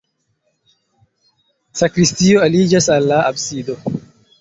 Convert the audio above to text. Sakristio aliĝas al la absido.